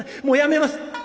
もうやめます。